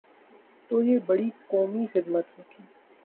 تو یہ بڑی قومی خدمت ہو گی۔